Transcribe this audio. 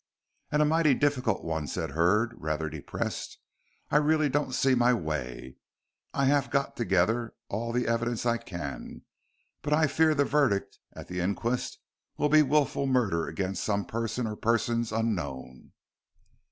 "And a mighty difficult one," said Hurd, rather depressed. "I really don't see my way. I have got together all the evidence I can, but I fear the verdict at the inquest will be wilful murder against some person or persons unknown."